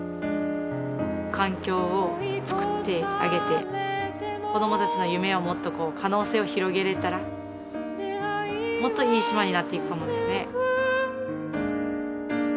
環境を作ってあげて子供たちの夢をもっとこう可能性を広げれたらもっといい島になっていくかもですね。